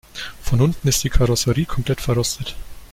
Von unten ist die Karosserie komplett verrostet.